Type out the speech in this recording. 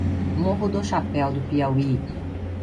Morro do Chapéu do Piauí